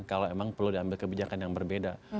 kalau memang perlu diambil kebijakan yang berbeda